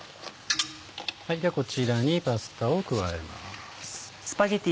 ではこちらにパスタを加えます。